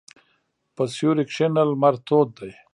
په سیوري کښېنه، لمر تود دی.